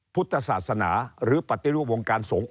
พุทธศาสนาหรือปฏิรูปวงการสงฆ์